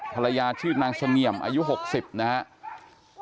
ภรรยาชื่อนางสงเหยียมอายุ๖๐นะครับ